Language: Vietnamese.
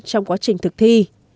trong quá trình thực thi